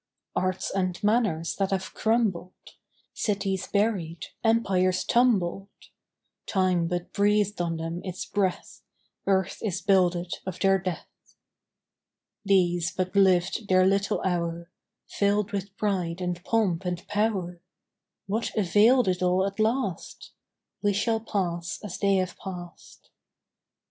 Arts and manners that have crumbled; Cities buried; empires tumbled: Time but breathed on them its breath; Earth is builded of their death. These but lived their little hour, Filled with pride and pomp and power; What availed it all at last? We shall pass as they have passed.